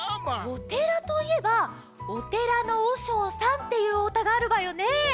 おてらといえば「お寺のおしょうさん」っていうおうたがあるわよね。